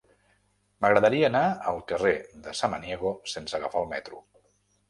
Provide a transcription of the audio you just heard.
M'agradaria anar al carrer de Samaniego sense agafar el metro.